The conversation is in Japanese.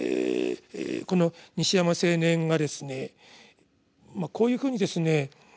この西山青年がですねまあこういうふうにですね